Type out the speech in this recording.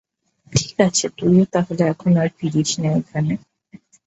ঠিক আছে, তুইও তাহলে আর ফিরিস না এখানে।